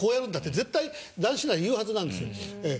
絶対談志なら言うはずなんですよ。